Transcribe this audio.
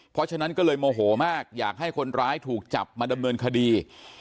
เพราะฉะนั้นก็เลยโมโหมากอยากให้คนร้ายถูกจับมาดำเนินคดี